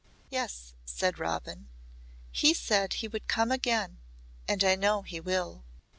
"Yes," said Robin. "He said he would come again and I know he will."